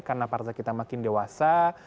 karena partai kita makin dewasa